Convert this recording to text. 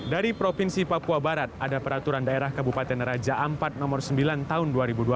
dari provinsi papua barat ada peraturan daerah kabupaten raja ampat nomor sembilan tahun dua ribu dua puluh